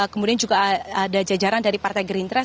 kemudian juga ada jajaran dari partai green trust